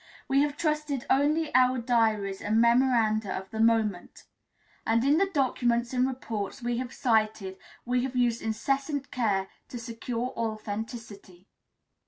We have trusted only our diaries and memoranda of the moment; and in the documents and reports we have cited we have used incessant care to secure authenticity.